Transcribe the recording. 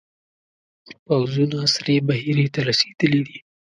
پوځونه سرې بحیرې ته رسېدلي دي.